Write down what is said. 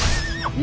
何？